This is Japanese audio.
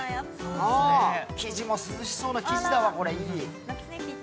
生地も涼しそうな生地だわ、いい。